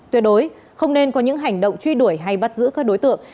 tuyệt đối không nên có những hành động truy đuổi hay bắt giữ các đối tượng